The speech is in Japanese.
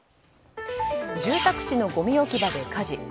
住宅地のごみ置き場で火事。